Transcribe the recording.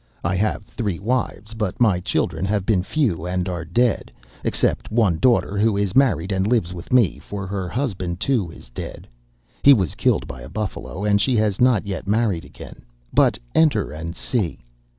I have three wives, but my children have been few and are dead, except one daughter, who is married and lives with me, for her husband, too, is dead. He was killed by a buffalo, and she has not yet married again. But enter and see.